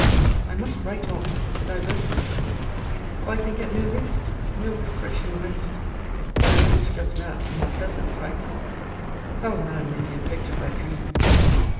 I must write on, to divert myself: for I can get no rest; no refreshing rest. I awaked just now in a cursed fright. How a man may be affected by dreams!